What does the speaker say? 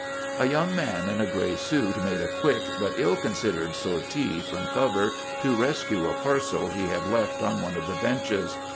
A young man in a gray suit made a quick but ill considered sortie from cover to rescue a parcel he had left on one of the benches.